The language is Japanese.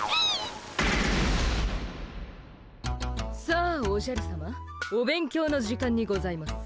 さあおじゃるさまお勉強の時間にございます。